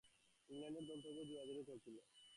ইংল্যান্ডের দল তবুও জোরাজুরি করছিল।